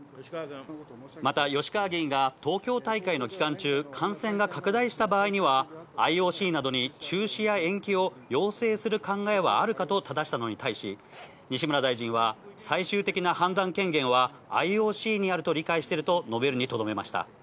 また吉川議員が、東京大会の期間中、感染が拡大した場合には、ＩＯＣなどに中止や延期を要請する考えはあるかとただしたのに対し、西村大臣は、最終的な判断権限はＩＯＣにあると理解していると述べるにとどめました。